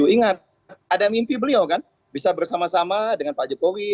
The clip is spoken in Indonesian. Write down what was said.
ingat ada mimpi beliau kan bisa bersama sama dengan pak jokowi